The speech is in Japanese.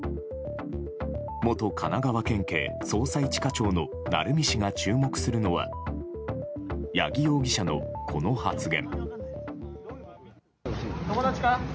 元神奈川県警捜査１課長の鳴海氏が注目するのは八木容疑者の、この発言。